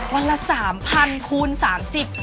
วันละสามพันคูณสามสิบ